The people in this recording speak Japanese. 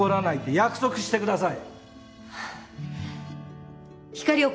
約束してください！